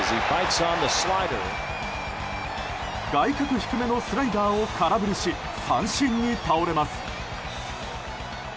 外角低めのスライダーを空振りし三振に倒れます。